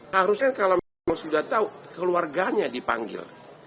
harusnya kalau memang sudah tahu keluarganya dipanggil